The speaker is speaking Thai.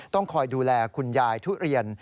ต้องคอยดูแลคุณยายทุเรียน